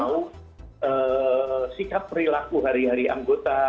karena dia yang paling tahu sikap perilaku hari hari anggota